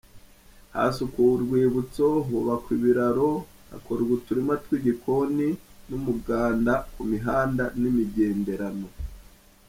Hasukuwe urwibutso, hubakwa ibiraro, hakorwa uturima tw’igikoni n’umuganda ku mihanda n’imigenderano.